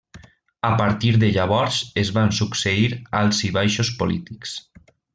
A partir de llavors es van succeir alts i baixos polítics.